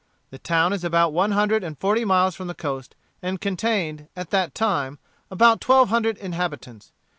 The town is about one hundred and forty miles from the coast, and contained, at that time, about twelve hundred inhabitants.